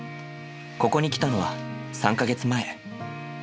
ここに来たのは３か月前。